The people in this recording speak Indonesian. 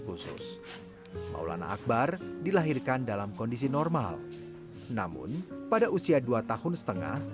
khusus maulana akbar dilahirkan dalam kondisi normal namun pada usia dua tahun setengah